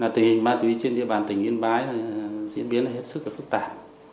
tình hình ma túy trên địa bàn tỉnh yên bái diễn biến hết sức phức tạp